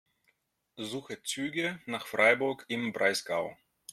Suche Züge nach Freiburg im Breisgau.